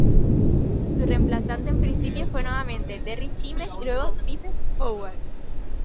Su reemplazante en principio fue nuevamente Terry Chimes y luego Pete Howard.